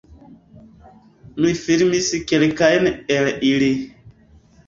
Mi filmis kelkajn el ili